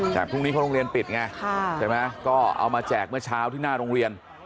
แต่พรุ่งนี้เขาโรงเรียนปิดไงใช่ไหมก็เอามาแจกเมื่อเช้าที่หน้าโรงเรียน